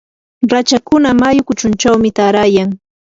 rachakkuna mayu kuchunchawmi taarayan.